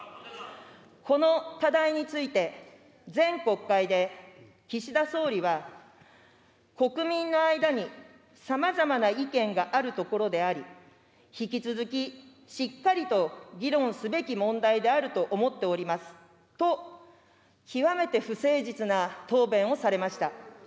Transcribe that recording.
この課題について、前国会で岸田総理は、国民の間にさまざまな意見があるところであり、引き続きしっかりと議論すべき問題であると思っておりますと、極めて不誠実な答弁をされました。